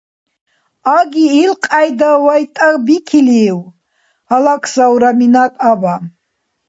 — Аги илкьяйда вайтӀабикилив? — гьалаксаур Аминат-аба.